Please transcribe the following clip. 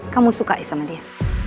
kamu suka aja sama dia